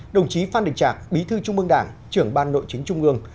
đồng chí phan đình trạc bí thư trung mương đảng trưởng ban nội chính trung ương